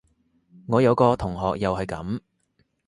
我有個同學又係噉